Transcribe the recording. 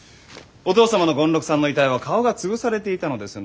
お父様の権六さんの遺体は顔が潰されていたのですよね。